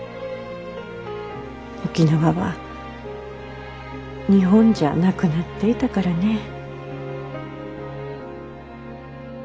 沖縄は日本じゃなくなっていたからねぇ。